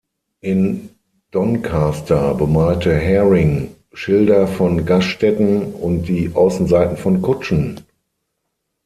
In Doncaster bemalte Herring Schilder von Gaststätten und die Außenseiten von Kutschen.